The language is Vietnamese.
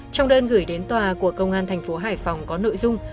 trong đơn gửi đến tòa của công an thành phố hải phòng có nội dung